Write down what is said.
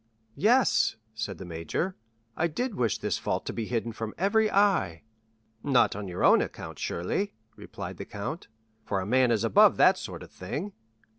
"Yes," said the major, "I did wish this fault to be hidden from every eye." "Not on your own account, surely," replied Monte Cristo; "for a man is above that sort of thing?"